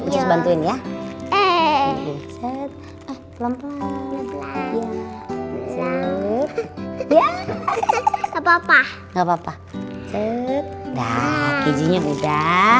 dia bilang juicy juga